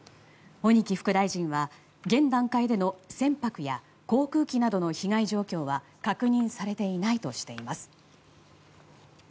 鬼木副大臣は現段階での船舶や航空機などの被害状況は確認されていないとしています。